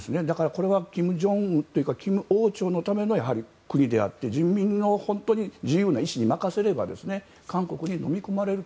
これは金正恩というか金王朝のための国であって人民の自由な意思に任せれば韓国にのみ込まれる。